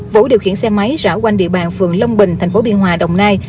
vũ điều khiển xe máy rảo quanh địa bàn phường long bình tp biên hòa đồng nai